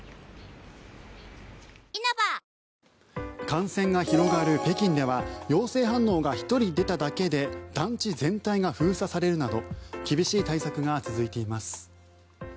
感染が広がる北京では陽性反応が１人出ただけで団地全体が封鎖されるなど厳しい対策が続いています。